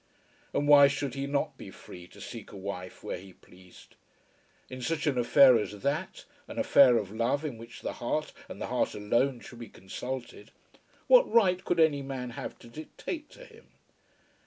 And why should he not be free to seek a wife where he pleased? In such an affair as that, an affair of love in which the heart and the heart alone should be consulted, what right could any man have to dictate to him?